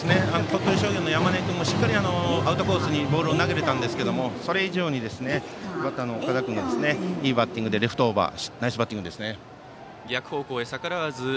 鳥取商業の山根君もしっかりアウトコースにボールを投げてたんですがそれ以上にバッターの尾形君がいいバッティングでレフトオーバー。